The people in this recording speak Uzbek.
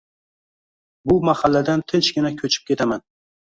Bu mahalladan tinchgina ko`chib ketaman